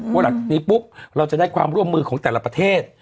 เพราะหลังจากนี้ปุ๊บเราจะได้ความร่วมมือของแต่ละประเทศ